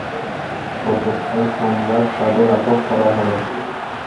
গতকাল সোমবার তাঁদের আটক করা হয়।